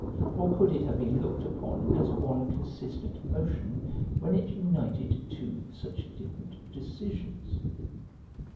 Or could it have been looked upon as one consistent motion when it united two such different decisions?